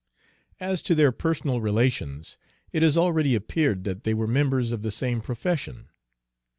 As to their personal relations, it has already appeared that they were members of the same profession.